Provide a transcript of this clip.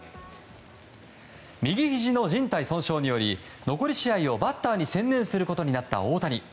右ひじのじん帯損傷により残り試合をバッターに専念することになった大谷。